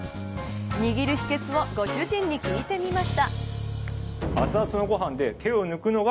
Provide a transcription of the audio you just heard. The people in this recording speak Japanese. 握る秘訣をご主人に聞いてみました。